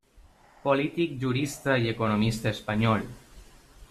Polític, jurista i economista espanyol.